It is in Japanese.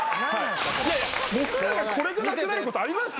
僕らがこれじゃなくなることあります？